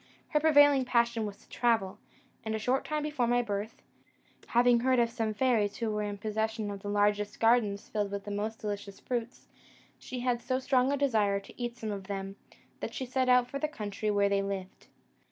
Her prevailing passion was to travel; and a short time before my birth, having heard of some fairies who were in possession of the largest gardens filled with the most delicious fruits, she had so strong a desire to eat some of them, that she set out for the country where they lived.